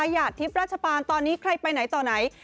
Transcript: หยาดทิพย์ราชปานตอนนี้ใครไปไหนต่อไหน